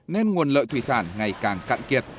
nên nguồn lợi thủy sản ngày càng cạn kiệt